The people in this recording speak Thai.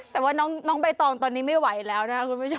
แต่ว่าน้องใบตองตอนนี้ไม่ไหวแล้วนะครับคุณผู้ชม